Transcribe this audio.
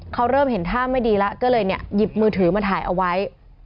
เขาเริ่มเห็นท่าไม่ดีแล้วก็เลยเนี่ยหยิบมือถือมาถ่ายเอาไว้